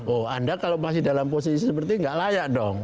oh anda kalau masih dalam posisi seperti nggak layak dong